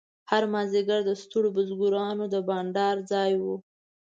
هر مازیګر د ستړو بزګرانو د بنډار ځای و.